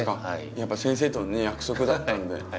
やっぱ先生との約束だったんで。